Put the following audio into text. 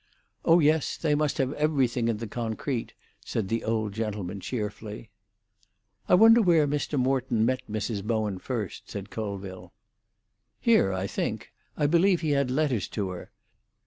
"Oh yes; they must have everything in the concrete," said the old gentleman cheerfully. "I wonder where Mr. Morton met Mrs. Bowen first," said Colville. "Here, I think. I believe he had letters to her.